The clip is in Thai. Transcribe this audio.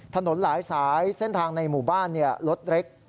ถนนหลายสายเส้นทางในหมู่บ้านรถเล็ก